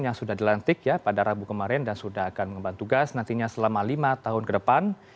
yang sudah dilantik ya pada rabu kemarin dan sudah akan mengembang tugas nantinya selama lima tahun ke depan